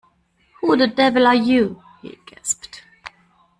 “Who the devil are you?” he gasped.